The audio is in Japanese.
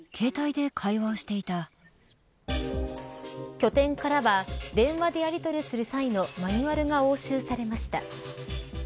拠点からは電話でやりとりする際のマニュアルが押収されました。